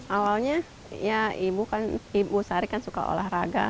awalnya ibu sari suka olahraga